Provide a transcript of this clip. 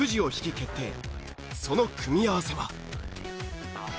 その組み合わせは。